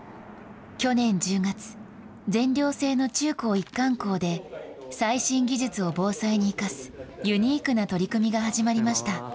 去年１０月、全寮制の中高一貫校で、最新技術を防災に生かす、ユニークな取り組みが始まりました。